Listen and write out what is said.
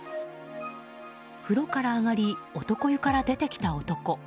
風呂から上がり男湯から出てきた男。